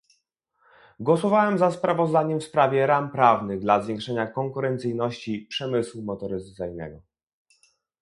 Głosowałem za sprawozdaniem w sprawie ram prawnych dla zwiększania konkurencyjności przemysłu motoryzacyjnego